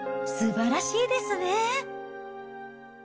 すばらしいですね。